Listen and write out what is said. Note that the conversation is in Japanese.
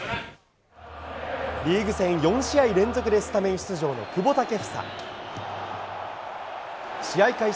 リーグ戦４試合連続でスタメン出場の久保建英。試合開始